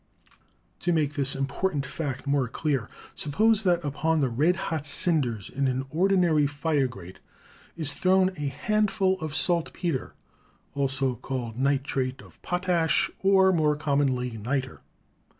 To make this important fact more clear, suppose that io 4 PHYSICS upon the red hot cinders in an ordinary fire grate is thrown a handful of saltpeter, also called nitrate of potash or more commonly niter.